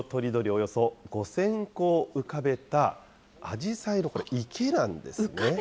およそ５０００個を浮かべたアジサイの池なんですね。